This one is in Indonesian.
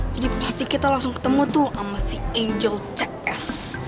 jadi pasti kita langsung ketemu tuh sama si angel cs